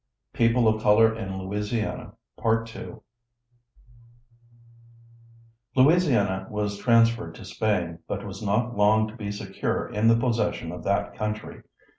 PEOPLE OF COLOR IN LOUISIANA PART II Louisiana was transferred to Spain but was not long to be secure in the possession of that country.